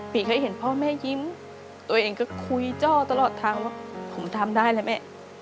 เคยเห็นพ่อแม่ยิ้มตัวเองก็คุยโจ้ตลอดทางว่าผมทำได้แล้วแม่